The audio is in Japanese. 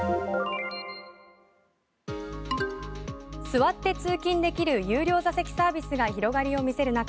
座って通勤できる有料座席サービスが広がりを見せる中